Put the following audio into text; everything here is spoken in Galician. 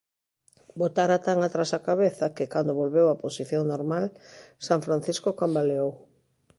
Botara tan atrás a cabeza que, cando volveu á posición normal, San Francisco cambaleou.